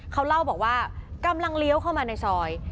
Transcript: เขาเล่าบอกว่ากำลังเลี้ยวเข้ามาในซอย